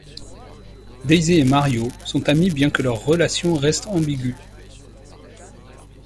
Daisy et Mario sont amis biens que leur relation reste ambiguë.